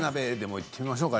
いってみましょうか。